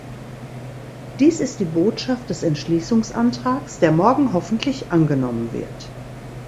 Dies ist die Botschaft des Entschließungsantrags, der morgen hoffentlich angenommen wird.